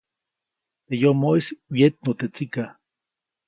Teʼ yomoʼis wyetnu teʼ tsikaʼ.